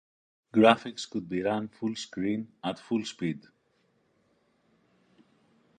Graphics could be run full screen, at full speed.